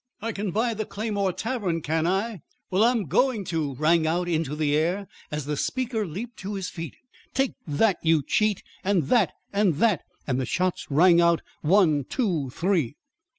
"I can buy the Claymore Tavern, can I? Well, I'm going to," rang out into the air as the speaker leaped to his feet. "Take that, you cheat! And that! And that!" And the shots rang out one, two, three!